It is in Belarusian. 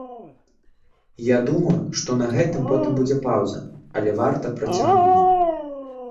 Я думаю, што на гэтым потым будзе паўза, але варта працягнуць.